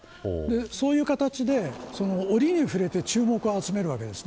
そういう形で折に触れて注目を集めるわけです。